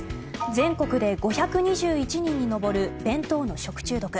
全国で５２１人に上る弁当の食中毒。